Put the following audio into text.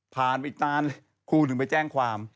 ผ่านไปอีกตัวอันคู่ถึงไปแจ้งความ